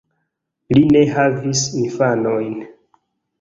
Li ne havis infanojn.